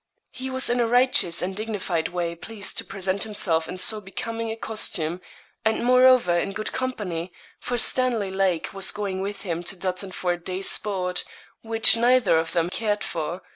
He was in a righteous and dignified way pleased to present himself in so becoming a costume, and moreover in good company, for Stanley Lake was going with him to Dutton for a day's sport, which neither of them cared for.